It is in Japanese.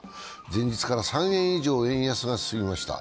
前日から３円以上、円安が進みました。